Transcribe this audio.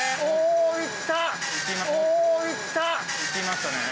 おいった！